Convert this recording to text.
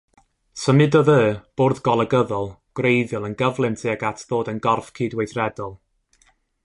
Symudodd y ' Bwrdd Golygyddol' gwreiddiol yn gyflym tuag at ddod yn gorff cydweithredol.